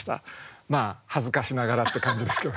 まあ恥ずかしながらって感じですけど。